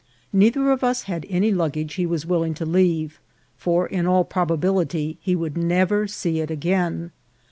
Neither of us had any luggage he was willing to leave, for in all probability he would never see it again.